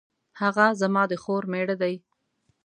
هغه زما د خور میړه دی